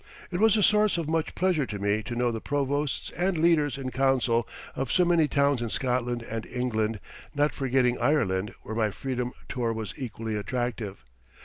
It was a source of much pleasure to me to know the provosts and leaders in council of so many towns in Scotland and England, not forgetting Ireland where my Freedom tour was equally attractive.